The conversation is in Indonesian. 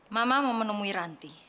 mama mau menemui ranti